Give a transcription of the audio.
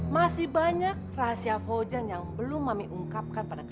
masih banyak rahasia fojan yang belum mami ungkapkan pada kami